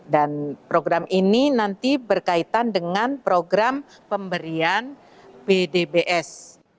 dan program ini nanti berkaitan dengan program pemberian pdbs